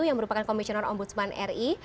yang merupakan komisioner ombudsman ri